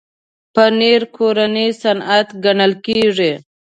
پنېر کورنی صنعت ګڼل کېږي.